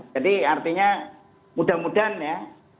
jadi artinya mudah mudahan ya